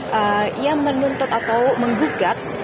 jadi ia menuntut atau menggugat